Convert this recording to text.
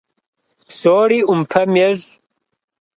Псори Ӏумпэм ещӏ.